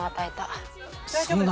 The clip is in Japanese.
そんな。